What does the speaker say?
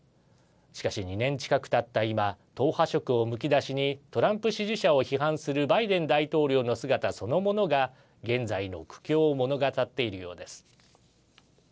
しかし、２年近くたった今党派色をむき出しにトランプ支持者を批判するバイデン大統領の姿そのものが現在の苦境を物語っているようです。